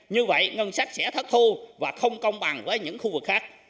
như vậy ngân sách sẽ thất thu và không công bằng với những khu vực khác